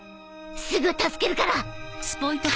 すぐ助けるから。